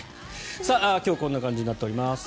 今日はこんな感じになっています。